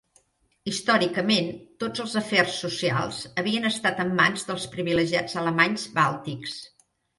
Històricament, tots els afers socials havien estat en mans dels privilegiats alemanys bàltics.